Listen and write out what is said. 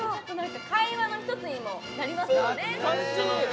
会話の一つにもなりますよね